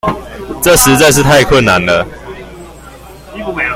這實在是太困難了